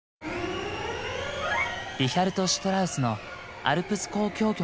リヒャルト・シュトラウスの「アルプス交響曲」